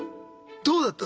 どうだった？